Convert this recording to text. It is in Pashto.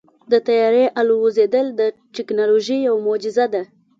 د طیارې الوزېدل د تیکنالوژۍ یوه معجزه ده.